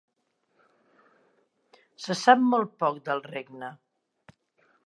Se sap molt poc del regne.